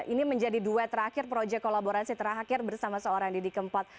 ini menjadi duet terakhir projek kolaborasi terakhir bersama seorang didi kempot